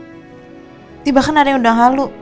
tiba tiba kan ada yang udah halus